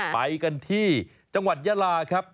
ไปกันที่จังหวัดยาลาครับ